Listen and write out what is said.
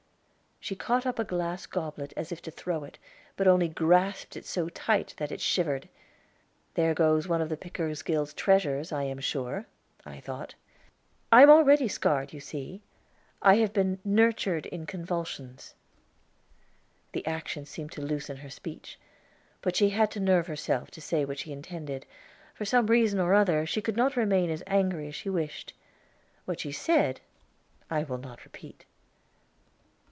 She caught up a glass goblet as if to throw it, but only grasped it so tight that it shivered. "There goes one of the Pickersgill treasures, I am sure," I thought. "I am already scarred, you see. I have been 'nurtured in convulsions.'" The action seemed to loosen her speech; but she had to nerve herself to say what she intended; for some reason or other, she could not remain as angry as she wished. What she said I will not repeat.